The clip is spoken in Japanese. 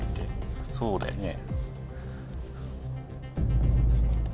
そうだよね。